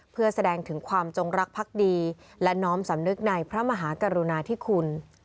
เพื่อแสดงถึงความจงรักภักดีและน้อมสำนึกในพระมหากรุณาธิคุณ